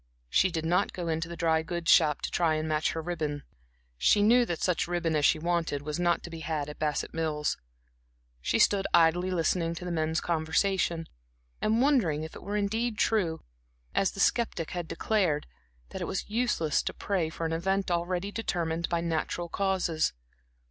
She did not go into the dry goods shop to try to match her ribbon; she knew that such ribbon as she wanted was not to be had at Bassett Mills. She stood idly listening to the men's conversation, and wondering if it were indeed true, as the skeptic had declared, that it was useless to pray for an event already determined by natural causes.